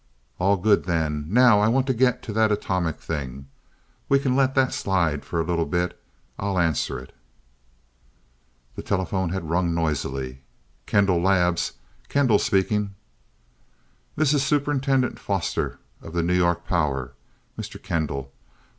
"All good then. Now I want to get to that atomic thing. We can let that slide for a little bit I'll answer it." The telephone had rung noisily. "Kendall Labs Kendall speaking." "This is Superintendent Foster, of the New York Power, Mr. Kendall.